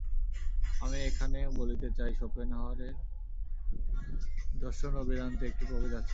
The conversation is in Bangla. আমি এখানে বলিতে চাই, শোপেনহাওয়ারের দর্শন ও বেদান্তে একটি প্রভেদ আছে।